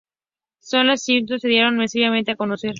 Con las sitcom se dieron masivamente a conocer.